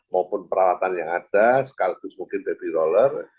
maupun peralatan yang ada sekaligus mungkin baby roller